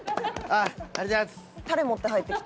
ありがとうございます。